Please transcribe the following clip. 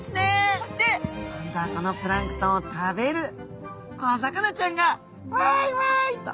そして今度はこのプランクトンを食べる小魚ちゃんが「ワイワイ」と。